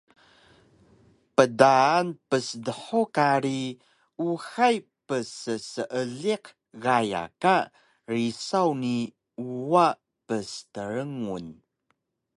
Pdaan psdhug kari uxay psseeliq gaya ka risaw ni uwa pstrngun